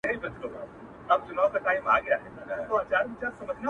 په هنیداري کي سړی و تېرایستلی